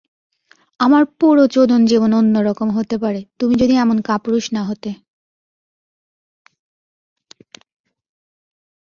আমার পুরো চোদন জীবন অন্যরকম হতে পারে তুমি যদি এমন কাপুরুষ না হতে।